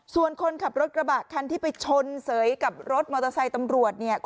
ส่วนคนขับรถกระบะคันที่ไปชนเสยกับรถมอเตอร์ไซค์ตำรวจเนี่ย